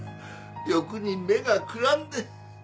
欲に目がくらんで。